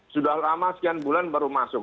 sudah lama sekian bulan baru masuk